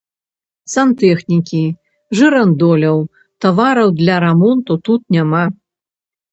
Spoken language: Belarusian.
Сантэхнікі, жырандоляў, тавараў для рамонту тут няма.